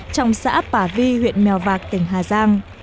trong xã bà vi huyện mèo vạc tỉnh hà giang